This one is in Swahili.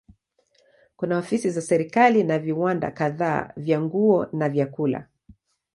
Kuna ofisi za serikali na viwanda kadhaa vya nguo na vyakula.